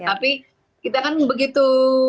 tapi kita kan begitu